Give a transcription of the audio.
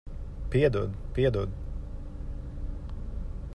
Piedod. Piedod.